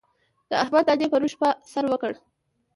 د احمد دانې پرون شپه سر وکړ.